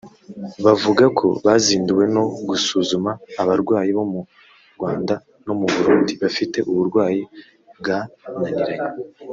bavuga ko bazinduwe no gusuzuma abarwayi bo mu Rwanda no mu Burundi bafite uburwayi bwananiranye